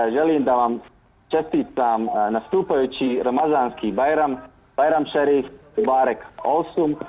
jalim dalam cestitam nastupayuci ramadhan ki bayram bayram sherif barek olsum